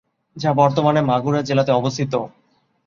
যা বর্তমানে মাগুরা জেলাতে অবস্থিত।